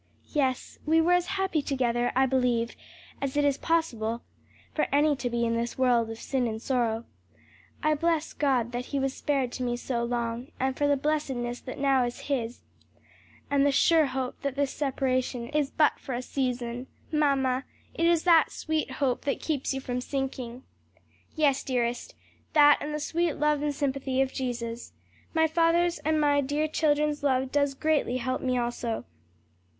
"Yes, we were as happy together, I believe, as it is possible for any to be in this world of sin and sorrow. I bless God that he was spared to me so long, and for the blessedness that now is his, and the sure hope that this separation is but for a season." "Mamma, it is that sweet hope that keeps you from sinking." "Yes, dearest, that and the sweet love and sympathy of Jesus. My father's and my dear children's love does greatly help me also.